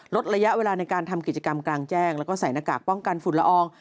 ลดระยะเวลาในการทำกิจกรรมกลางแจ้งแล้วก็ใส่หน้ากากป้องกันฝุ่นละออง